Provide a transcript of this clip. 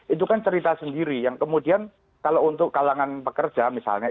itu kan cerita sendiri yang kemudian kalau untuk kalangan pekerja misalnya